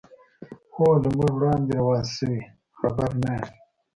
هو، له موږ وړاندې روان شوي، خبر نه یم.